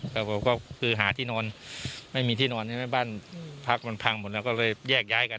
แล้วผมก็คือหาที่นอนไม่มีที่นอนใช่ไหมบ้านพักมันพังหมดแล้วก็เลยแยกย้ายกัน